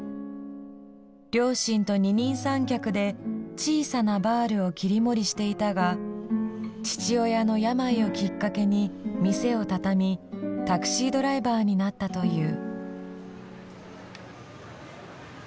両親と二人三脚で小さなバールを切り盛りしていたが父親の病をきっかけに店を畳みタクシードライバーになったという。